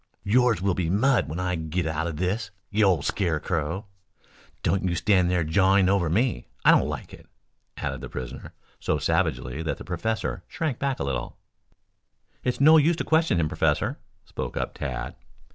"Yours will be Mud when I git out of this, you old scarecrow! Don't you stand there jawing over me. I don't like it," added the prisoner, so savagely that the professor shrank back a little. "It's no use to question him, professor," spoke up Tad.